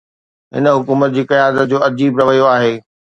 هن حڪومت جي قيادت جو عجيب رويو آهي.